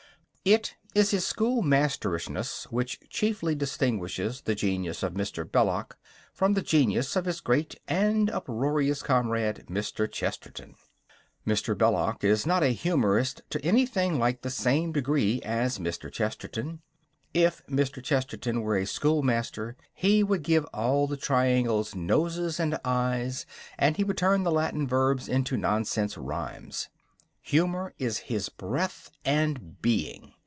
It is his schoolmasterishness which chiefly distinguishes the genius of Mr. Belloc from the genius of his great and uproarious comrade, Mr. Chesterton. Mr. Belloc is not a humorist to anything like the same degree as Mr. Chesterton. If Mr. Chesterton were a schoolmaster he would give all the triangles noses and eyes, and he would turn the Latin verbs into nonsense rhymes. Humour is his breath and being.